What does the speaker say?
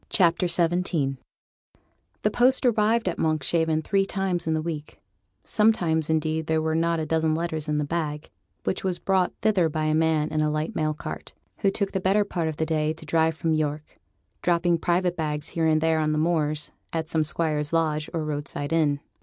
CHAPTER XVII REJECTED WARNINGS The post arrived at Monkshaven three times in the week; sometimes, indeed, there were not a dozen letters in the bag, which was brought thither by a man in a light mail cart, who took the better part of a day to drive from York; dropping private bags here and there on the moors, at some squire's lodge or roadside inn.